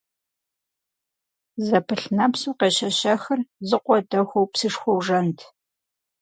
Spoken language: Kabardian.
Зэпылъ нэпсу къещэщэхыр зы къуэ дэхуэу псышхуэу жэнт.